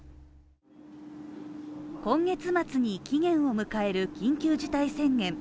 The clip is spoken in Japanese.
今月末に期限を迎える緊急事態宣言。